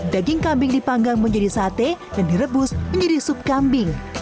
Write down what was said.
daging kambing dipanggang menjadi sate dan direbus menjadi sup kambing